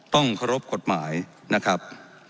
ต้องเคารพกฎหมายนะครับ